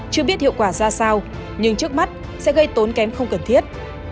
chưa biết hiệu quả ra sao nhưng trước mắt sẽ gây tốn kém không cần thiết